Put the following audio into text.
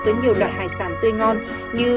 với nhiều loại hải sản tươi ngon như